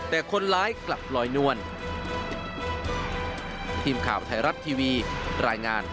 แต่คนร้ายกลับลอยนวล